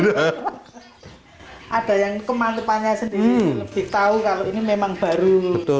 ada yang kemantepannya sendiri lebih tahu kalau ini memang baru